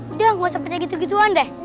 udah gak usah percaya gitu gituan deh